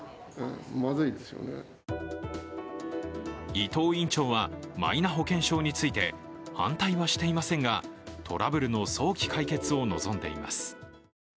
伊藤院長はマイナ保険証について反対はしていませんが、トラブルの早期解決を望んでいます。